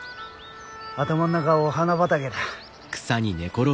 頭ん中お花畑だ。